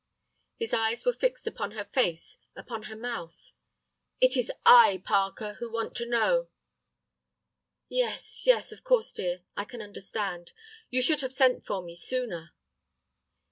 His eyes were fixed upon her face, upon her mouth. "It is I, Parker, who want to know—" "Yes, yes, of course, dear, I can understand. You should have sent for me sooner."